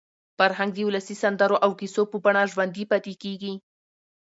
فرهنګ د ولسي سندرو او کیسو په بڼه ژوندي پاتې کېږي.